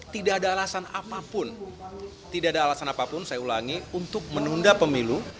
tidak ada alasan apapun tidak ada alasan apapun saya ulangi untuk menunda pemilu